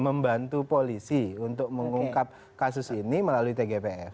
membantu polisi untuk mengungkap kasus ini melalui tgpf